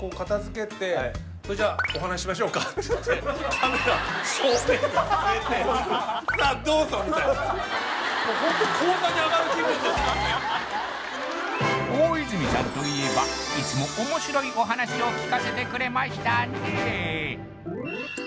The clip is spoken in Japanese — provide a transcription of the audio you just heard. あのねもうホント大泉さんといえばいつもおもしろいお話を聞かせてくれましたね